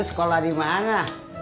lu sekolah di mana